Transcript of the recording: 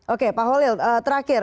oke pak holid terakhir